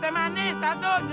buahnya mana buahnya